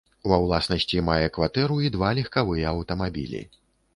Ва ўласнасці мае кватэру і два легкавыя аўтамабілі.